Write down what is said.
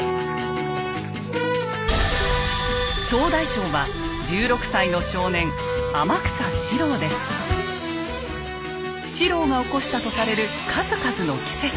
総大将は１６歳の少年四郎が起こしたとされる数々の奇跡。